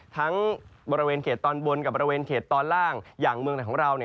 ทั้งบริเวณเขตตอนบนกับบริเวณเขตตอนล่างอย่างเมืองไหนของเรา